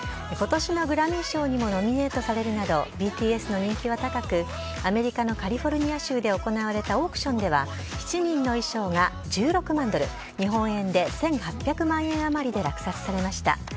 ことしのグラミー賞にもノミネートされるなど、ＢＴＳの人気は高く、アメリカのカリフォルニア州で行われたオークションでは７人の衣装が１６万ドル、日本円で１８００万円余りで落札されました。